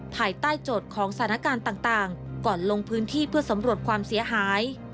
ภายใต้โจทย์ของสถานการณ์ต่างก่อนลงพื้นที่เพื่อสำรวจความเสียหาย